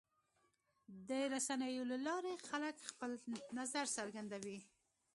د رسنیو له لارې خلک خپل نظر څرګندوي.